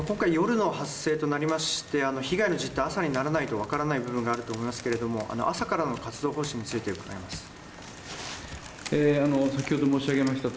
今回夜の発生となりまして被害の実態朝にならないとわからない部分があると思いますけれども朝からの活動方針について伺います。